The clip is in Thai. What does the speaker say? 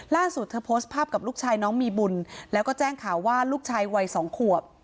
ล่าสุดเธอโพสต์ภาพกับลูกชายน้องมีบุญแล้วก็แจ้งข่าวว่าลูกชายวัยสองขวบ